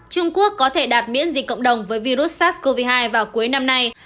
trung quốc có thể đạt miễn dịch cộng đồng với virus sars cov hai vào cuối năm nay